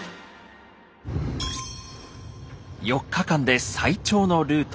４日間で最長のルート。